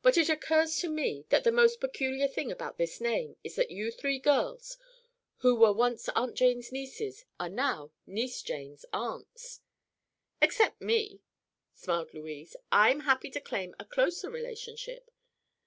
"But it occurs to me that the most peculiar thing about this name is that you three girls, who were once Aunt Jane's nieces, are now Niece Jane's aunts!" "Except me," smiled Louise. "I'm happy to claim a closer relationship.